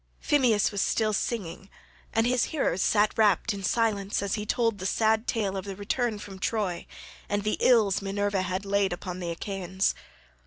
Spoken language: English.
Phemius was still singing, and his hearers sat rapt in silence as he told the sad tale of the return from Troy, and the ills Minerva had laid upon the Achaeans.